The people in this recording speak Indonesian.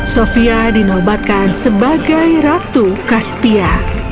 sofia dinobatkan sebagai ratu kaspia